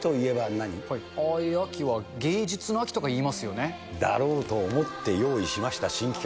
秋は芸術の秋とかいいますよだろうと思って、用意しました、新企画。